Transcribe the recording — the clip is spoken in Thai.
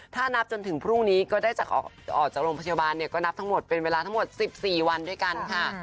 ถ้านับจนถึงพรุ่งนี้ก็ได้จากออกจากโรงพยาบาลเนี่ยก็นับทั้งหมดเป็นเวลาทั้งหมด๑๔วันด้วยกันค่ะ